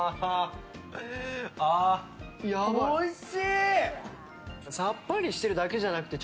おいしい！